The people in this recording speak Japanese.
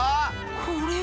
これは。